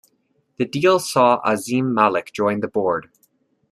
The deal saw Azeem Malik join the board.